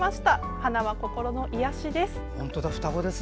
花は心の癒やしです。